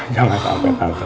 jangan sampai tante